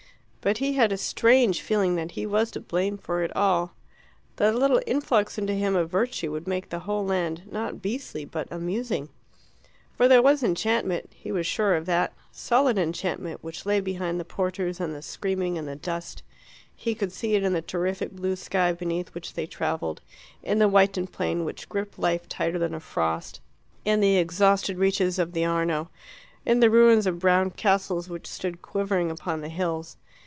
But he had a strange feeling that he was to blame for it all; that a little influx into him of virtue would make the whole land not beastly but amusing. For there was enchantment, he was sure of that; solid enchantment, which lay behind the porters and the screaming and the dust. He could see it in the terrific blue sky beneath which they travelled, in the whitened plain which gripped life tighter than a frost, in the exhausted reaches of the Arno, in the ruins of brown castles which stood quivering upon the hills.